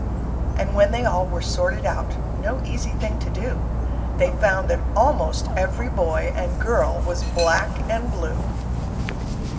And when they all were sorted out, No easy thing to do, They found that almost every boy And girl was black and blue!